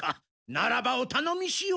ならばおたのみしよう！